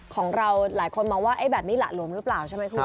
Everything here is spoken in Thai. ของเราหลายคนบอกว่าแบบนี้ละรวมรึเปล่าใช่ไหมครับ